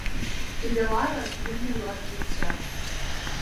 І вяла разгульны лад жыцця.